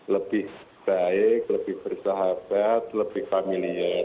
lebih baik lebih bersahabat lebih familiar